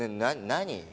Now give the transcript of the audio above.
何？